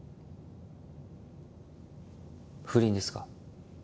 不倫ですか。